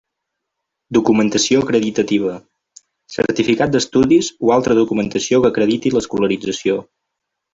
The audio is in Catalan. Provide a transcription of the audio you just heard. Documentació acreditativa: certificat d'estudis o altra documentació que acrediti l'escolarització.